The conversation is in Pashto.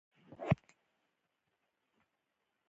ازادي راډیو د اداري فساد په اړه د عبرت کیسې خبر کړي.